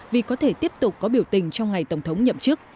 vì có thể tiếp tục có biểu tình trong ngày tổng thống nhậm chức